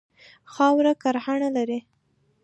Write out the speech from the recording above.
خاوره کرهڼه لري.